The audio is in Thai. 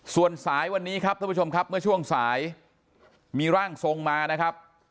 ส่วนสายวันนี้ครับท่านผู้ชมครับเมื่อช่วงสายมีร่างทรงมานะครับ